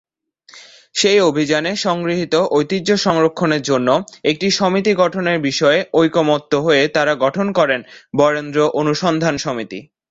সেই অভিযানে সংগৃহীত ঐতিহ্য সংরক্ষণের জন্য একটি সমিতি গঠনের বিষয়ে ঐকমত্য হয়ে তারা গঠন করেন 'বরেন্দ্র অনুসন্ধান সমিতি'।